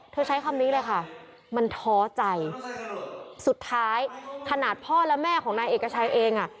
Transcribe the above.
ใช้คำนี้เลยค่ะมันท้อใจสุดท้ายขนาดพ่อและแม่ของนายเอกชัยเองอ่ะ